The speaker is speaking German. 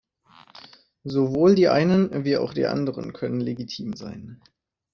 Sowohl die einen wie auch die anderen können legitim sein.